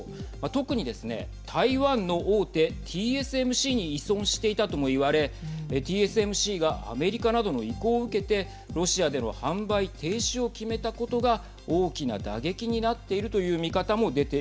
特にですね、台湾の大手ＴＳＭＣに依存していたともいわれＴＳＭＣがアメリカなどの意向を受けてロシアでの販売停止を決めたことが大きな打撃になっているはい。